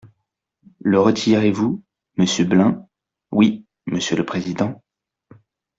Le retirez-vous, monsieur Blein ? Oui, monsieur le président.